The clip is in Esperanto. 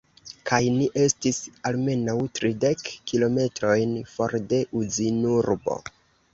Kaj ni estis almenaŭ tridek kilometrojn for de Uzinurbo.